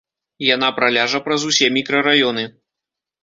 Яна праляжа праз усе мікрараёны.